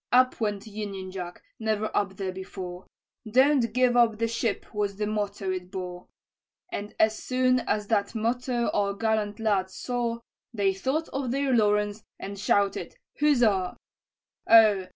"Up went union jack, never up there before, 'Don't give up the ship' was the motto it bore; And as soon as that motto our gallant lads saw, They thought of their Lawrence, and shouted huzza! "Oh!